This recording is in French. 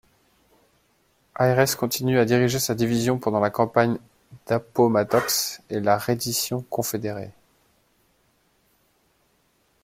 Ayres continue à diriger sa division pendant la campagne d'Appomattox et la reddition confédérée.